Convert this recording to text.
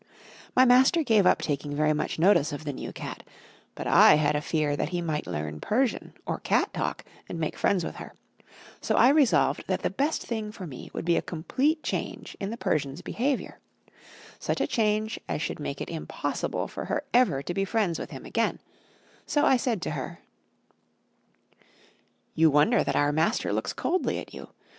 My master gave up taking very much notice of the new cat. But I had a fear that he might learn Persian or cat talk, and make friends with her; so I resolved that the best thing for me would be a complete change in the Persian's behaviour such a change as should make it impossible for her ever to be friends with him again; so I said to her: "You wonder that our master looks coldly at you.